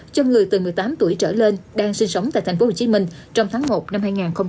cho người từ một mươi tám tuổi trở lên đang sinh sống tại tp hcm trong tháng một năm hai nghìn hai mươi